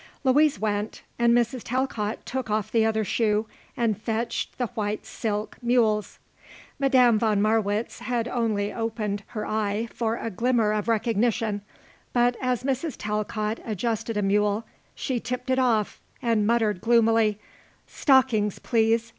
Louise went and Mrs. Talcott took off the other shoe and fetched the white silk mules. Madame von Marwitz had only opened her eye for a glimmer of recognition, but as Mrs. Talcott adjusted a mule, she tipped it off and muttered gloomily: "Stockings, please.